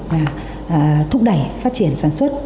là thúc đẩy phát triển sản xuất